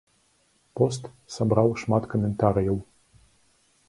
Пост сабраў шмат каментарыяў.